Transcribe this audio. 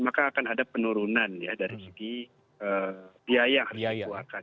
maka akan ada penurunan ya dari segi biaya yang harus dikeluarkan